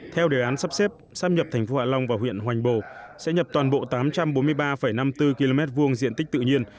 theo đề án sắp xếp sắp nhập thành phố hạ long và huyện hoành bồ sẽ nhập toàn bộ tám trăm bốn mươi ba năm mươi bốn km hai diện tích tự nhiên